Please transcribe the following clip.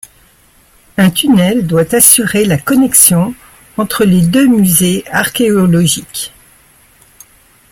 Un tunnel doit assurer la connexion entre les deux musées archéologiques.